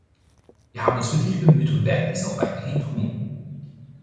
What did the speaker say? Wir haben uns wirklich bemüht und werden dies auch weiterhin tun.